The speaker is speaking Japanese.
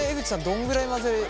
どのぐらい混ぜれば？